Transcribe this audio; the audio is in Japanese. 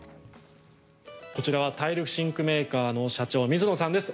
こちらはタイルシンクメーカーの社長の水野さんです。